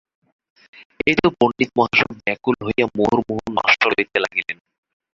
এই তো পণ্ডিতমহাশয় ব্যাকুল হইয়া মুহুর্মুহু নস্য লইতে লাগিলেন।